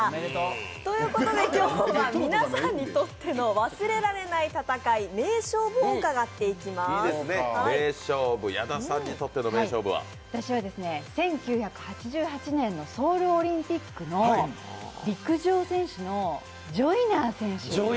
ということで今日は皆さんにとっての忘れられない戦い、私は１９８８年のソウルオリンピックの陸上選手のジョイナー選手。